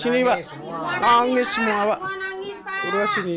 nangis semua bang